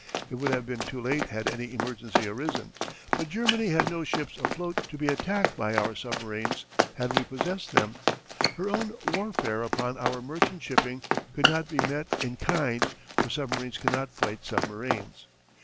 It would have been too late had any emergency arisen. But Germany had no ships afloat to be attacked by our submarines had we possessed them. Her own warfare upon our merchant shipping could not be met in kind, for submarines cannot fight submarines.